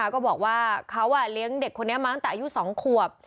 ก็บอกว่าเขาเลี้ยงเด็กคนนี้มาตั้งแต่อายุ๒ขวบ